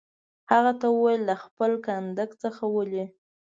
هغه ته وویل: له خپل کنډک څخه ولې.